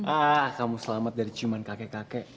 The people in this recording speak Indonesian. ah kamu selamat dari ciuman kakek kakek